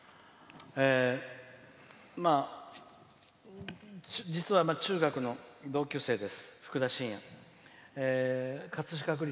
まあ、実は中学の同級生です。